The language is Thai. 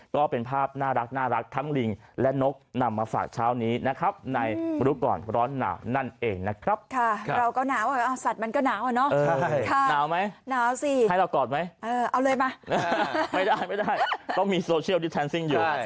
ก็เป็นภาพน่ารักทั้งลิงและนกนำมาฝากข้าวนี้